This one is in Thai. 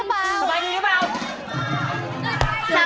สบายดีหรือเปล่า